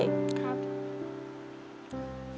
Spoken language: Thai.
ครับ